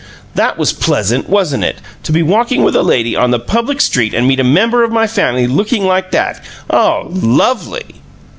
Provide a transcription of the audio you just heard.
That was pleasant, wasn't it? To be walking with a lady on the public street and meet a member of my family looking like that! Oh, LOVELY!"